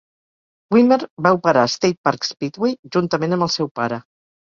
Wimmer va operar State Park Speedway juntament amb el seu pare.